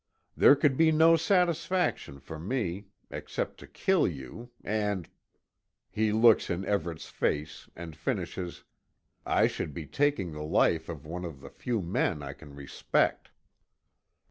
There could be no satisfaction for me except to kill you and " He looks in Everet's face and finishes "I should be taking the life of one of the few men I can respect."